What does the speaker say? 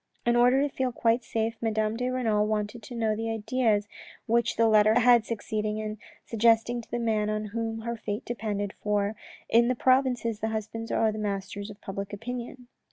In order to feel quite safe, Madame de Renal wanted to know the ideas which the letter had succeeding in suggesting to the man on whom her fate depended, for, in the provinces the husbands are the masters of public opinion.